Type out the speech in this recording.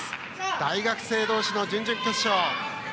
大学生同士の準々決勝。